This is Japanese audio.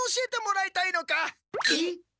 えっ？